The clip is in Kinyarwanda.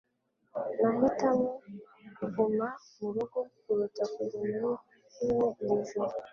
Nahitamo kuguma murugo kuruta kujya muri firime iri joro.